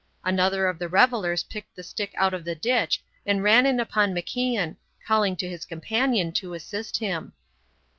Another of the revellers picked the stick out of the ditch and ran in upon MacIan, calling to his companion to assist him.